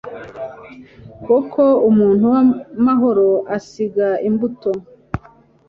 koko umuntu w’amahoro asiga imbuto